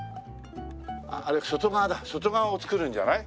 あれ外側だ外側を作るんじゃない？